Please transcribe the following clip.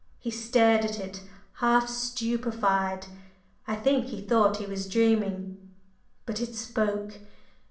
He stared at it half stupefied. I think he thought he was dreaming. But it spoke.